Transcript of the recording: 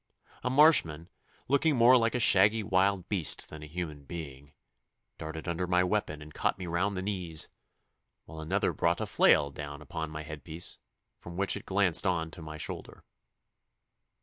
A marshman, looking more like a shaggy wild beast than a human being, darted under my weapon and caught me round the knees, while another brought a flail down upon my head piece, from which it glanced on to my shoulder.